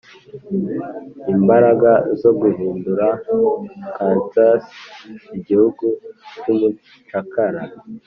imbaraga zo guhindura kansas igihugu cyumucakara